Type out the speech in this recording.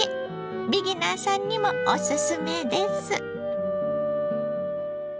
ビギナーさんにもオススメです。